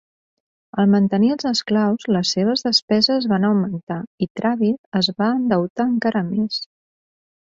Al mantenir els esclaus, les seves despeses van augmentar i Travis es va endeutar encara més.